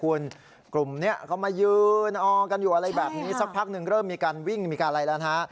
คุณกลุ่มนี้เขามายืนออกันอยู่อะไรแบบนี้สักพักหนึ่งเริ่มมีการวิ่งมีการอะไรแล้วนะฮะ